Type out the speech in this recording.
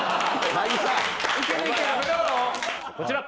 こちら。